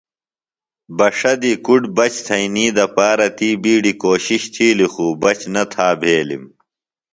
بݜہ دی کُڈیۡ بچ تھئینی دپارہ تی بِیڈیۡ کوشِش تِھیلیۡ خُو بچ نہ تھا بھیلِم۔